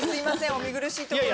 お見苦しいところを。